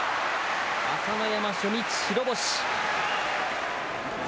朝乃山、初日白星。